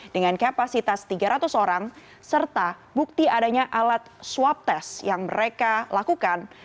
dengan kapasitas tiga ratus orang serta bukti adanya alat swab test yang mereka lakukan